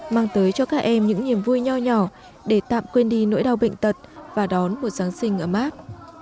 mang tới cho các em những niềm vui nhỏ nhỏ để tạm quên đi nỗi đau bệnh tật và đón một giáng sinh ấm áp